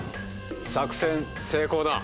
作戦成功だ！